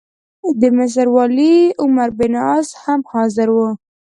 د مصر والي عمروبن عاص هم حاضر وو.